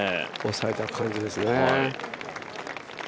抑えた感じですね。